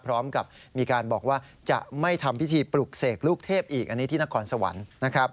พร้อมกับมีการบอกว่าจะไม่ทำพิธีปลุกเสกลูกเทพอีกอันนี้ที่นครสวรรค์นะครับ